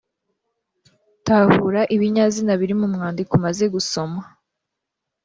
Tahura ibinyazina biri mu mwandiko umaze gusoma